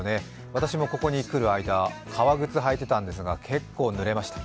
私もここに来る間、革靴履いてたんですが結構、ぬれました。